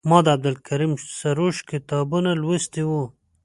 ما د عبدالکریم سروش کتابونه لوستي وو.